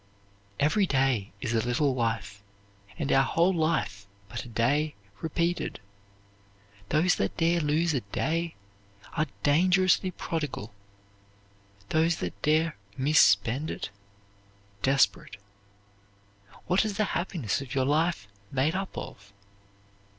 Every day is a little life; and our whole life but a day repeated. Those that dare lose a day are dangerously prodigal; those that dare misspend it, desperate. What is the happiness of your life made up of?